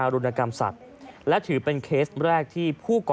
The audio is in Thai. และถือเป็นเคสแรกที่ผู้หญิงและมีการทารุณกรรมสัตว์อย่างโหดเยี่ยมด้วยความชำนาญนะครับ